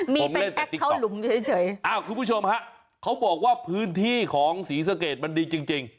มีเป็นแอคเขาหลุงเฉยคุณผู้ชมคะเขาบอกว่าพื้นที่ของศรีสะเกดมันดีจริง